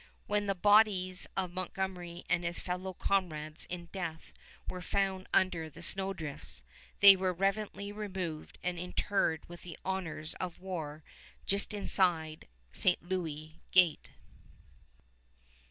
When the bodies of Montgomery and his fellow comrades in death were found under the snowdrifts, they were reverently removed, and interred with the honors of war just inside St. Louis Gate.